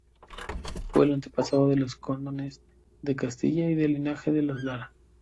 Fue el antepasado de los condes de Castilla y del linaje de los Lara.